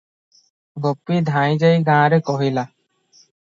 ଗୋପୀ ଧାଇଁ ଯାଇଁ ଗାଁରେ କହିଲା ।